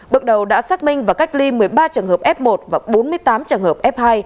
bước đầu đã xác minh và cách ly một mươi ba trường hợp f một và bốn mươi tám trường hợp f hai